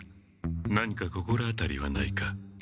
何か心当たりはないか？